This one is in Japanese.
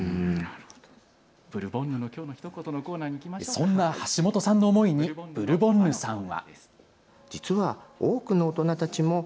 そんな橋本さんの思いにブルボンヌさんは。